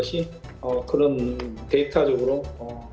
saya juga menarik dari thailand